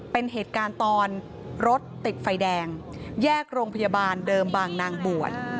เป็นเหตุการณ์ตอนรถติดไฟแดงแยกโรงพยาบาลเดิมบางนางบวช